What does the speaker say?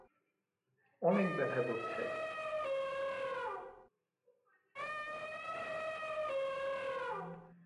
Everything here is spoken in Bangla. অনেক ব্যথা করছে।